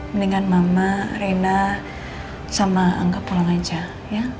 mendingan mama reina sama angga pulang saja